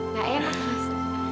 nggak enak mas